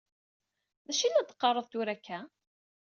D acu i la teqqaṛeḍ tura akka?